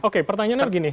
oke pertanyaannya begini